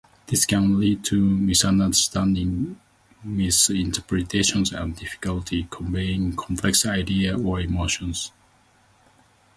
This can lead to misunderstandings, misinterpretations, and difficulty conveying complex ideas or emotions.